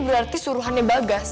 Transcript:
berarti suruhannya bagas